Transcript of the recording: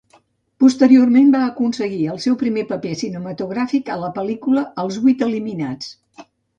Posteriorment va aconseguir el seu primer paper cinematogràfic a la pel·lícula "Els vuit eliminats".